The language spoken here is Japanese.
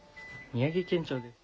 宮城県庁です。